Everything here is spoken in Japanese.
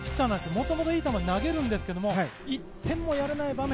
もともといい球を投げるんですけども１点もやれない場面。